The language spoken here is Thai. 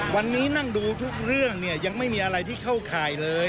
วันนี้นั่งดูทุกเรื่องเนี่ยยังไม่มีอะไรที่เข้าข่ายเลย